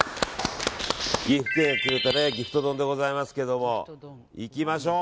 岐阜県がくれた岐阜ト丼でございますがいきましょう！